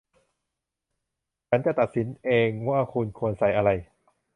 ฉันจะตัดสินเองว่าคุณควรใส่อะไร